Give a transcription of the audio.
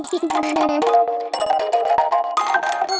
kau mau kemana